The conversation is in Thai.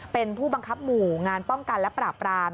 เป็นผู้บังคับหมู่งานป้องกันและปราบราม